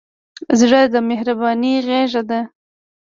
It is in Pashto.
زړه د مهربانۍ غېږه ده.